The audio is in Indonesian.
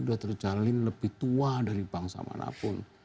sudah terjalin lebih tua dari bangsa manapun